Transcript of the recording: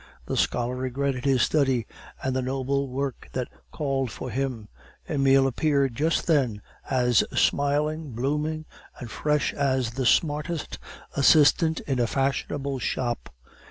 The scholar regretted his study and that noble work that called for him. Emile appeared just then as smiling, blooming, and fresh as the smartest assistant in a fashionable shop.